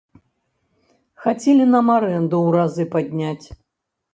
Хацелі нам арэнду ў разы падняць.